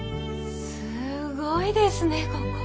すごいですねここ。